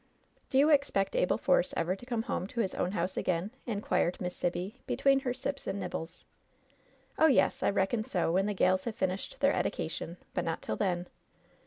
'T3o you expect Abel Force ever to come home to his own house again?" inquired Miss Sibby, between her sips and nibbles. "Oh, yes, I reckon so, when the gals have finished their edication, but not till then.